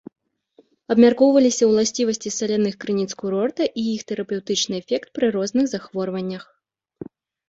Абмяркоўваліся ўласцівасці саляных крыніц курорта і іх тэрапеўтычны эфект пры розных захворваннях.